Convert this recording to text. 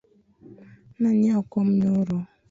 Na nyiewo kom nyoro